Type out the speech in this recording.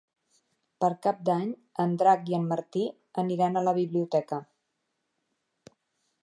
Per Cap d'Any en Drac i en Martí aniran a la biblioteca.